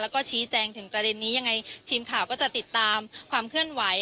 แล้วก็ชี้แจงถึงประเด็นนี้ยังไงทีมข่าวก็จะติดตามความเคลื่อนไหว